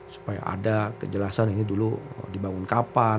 supaya ada kejelasan ini dulu dibangun kapan